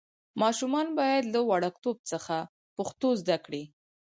ماشومان باید له وړکتوب څخه پښتو زده کړي.